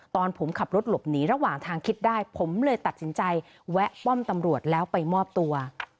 ตอนผมขับรถหลบหนีระหว่างทางคิดได้ผมเลยตัดสินใจแวะป้อมตำรวจแล้วไปมอบตัว